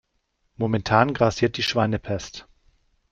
Momentan grassiert die Schweinepest.